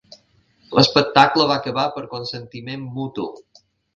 L'espectacle va acabar per consentiment mutu.